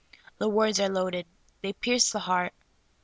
'' The words are loaded ; they pierce the heart.